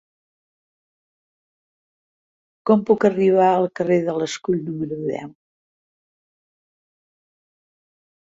Com puc arribar al carrer de l'Escull número deu?